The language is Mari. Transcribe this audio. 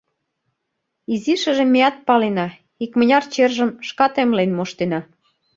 Изишыже меат палена, икмыняр чержым шкат эмлен моштена.